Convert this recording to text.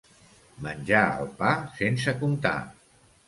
Menjar el pa sense comptar.